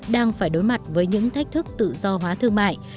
đang phải đối mặt với những thách thức tự do hóa thương mại